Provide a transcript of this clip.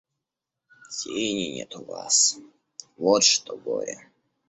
Тени нет у вас, вот что горе.